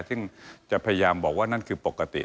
ซึ่งจะพยายามบอกว่านั่นคือปกติ